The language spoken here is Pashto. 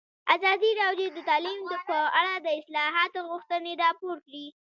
ازادي راډیو د تعلیم په اړه د اصلاحاتو غوښتنې راپور کړې.